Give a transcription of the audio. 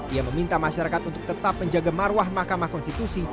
ia meminta masyarakat untuk tetap menjaga marwah mahkamah konstitusi